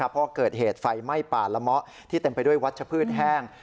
เพราะเกิดเหตุไฟไหม้ป่าละเมาะที่เต็มไปด้วยวัชพืชแห้ง